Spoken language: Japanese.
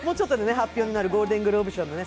発表になるゴールデングローブ賞のね